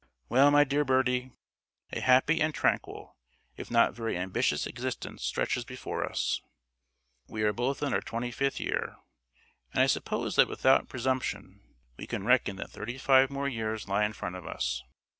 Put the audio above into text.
Well, my dear Bertie, a happy and tranquil, if not very ambitious existence stretches before us. We are both in our twenty fifth year, and I suppose that without presumption we can reckon that thirty five more years lie in front of us.